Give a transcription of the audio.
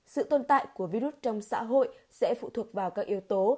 sự tồn tại của virus trong xã hội sẽ phụ thuộc vào các yếu tố